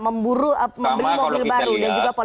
memburu membeli mobil baru dan juga polisi